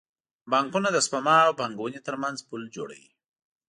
بانکونه د سپما او پانګونې ترمنځ پل جوړوي.